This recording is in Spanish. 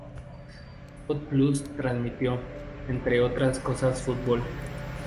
Sport Plus transmitió, entre otras cosas fútbol.